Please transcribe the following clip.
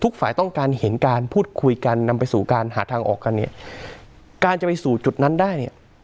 ฝ่ายต้องการเห็นการพูดคุยกันนำไปสู่การหาทางออกกันเนี่ยการจะไปสู่จุดนั้นได้เนี่ย